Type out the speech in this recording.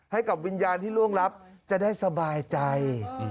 ให้กับวิญญาณที่ล่วงรับจะได้สบายใจ